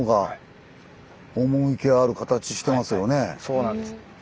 そうなんです。